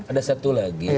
ada satu lagi